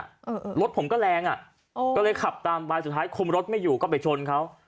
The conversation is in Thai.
เออรถผมก็แรงอ่ะโอ้ก็เลยขับตามไปสุดท้ายคุมรถไม่อยู่ก็ไปชนเขา